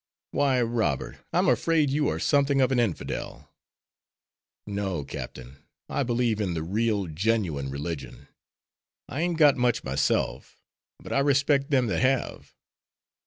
"Why, Robert, I'm afraid you are something of an infidel." "No, Captain, I believe in the real, genuine religion. I ain't got much myself, but I respect them that have.